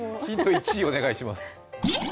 １お願いします。